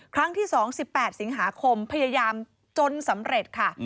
ครั้งที่๒๑๘สิงหาคมพยายามจนสำเร็จค่ะ